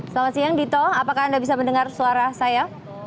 selamat siang dito apakah anda bisa mendengar suara saya